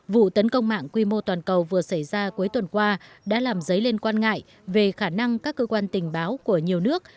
vụ tấn công mạng quy mô toàn cầu vừa xảy ra cuối tuần qua đã làm dấy lên quan ngại về khả năng các cơ quan tình báo của nhiều nước